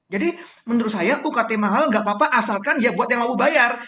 jadi menurut saya ukt mahal nggak apa apa asalkan ya buat yang mau bayar